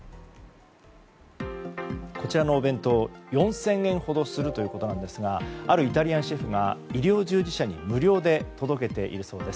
こちらのお弁当４０００円ほどするということですがあるイタリアンシェフが医療従事者に無料で届けているそうです。